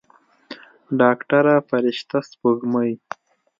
ډاکتره فرشته سپوږمۍ.